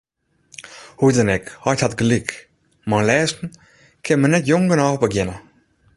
Hoe dan ek, heit hat gelyk: mei lêzen kin men net jong genôch begjinne.